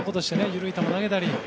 緩い球も投げたり。